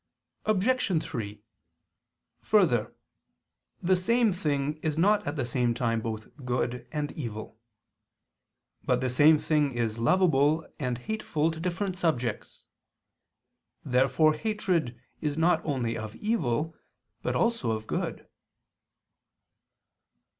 Obj. 3: Further, the same thing is not at the same time both good and evil. But the same thing is lovable and hateful to different subjects. Therefore hatred is not only of evil, but also of good.